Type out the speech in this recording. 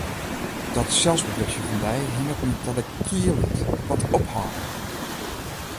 Dat selsbegrutsjen fan dy hinget my ta de kiel út, dat moat ophâlde!